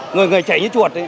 người cháy như chuột